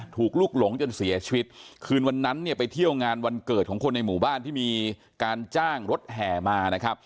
ถูกลุกหลงจนเสียชีวิตคืนวันนั้นเนี่ยไปเที่ยวงานวันเกิดของคนในหมู่บ้านที่มีการจ้างรถแห่มานะครับ